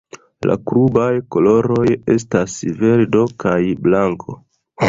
La klubaj koloroj estas verdo kaj blanko.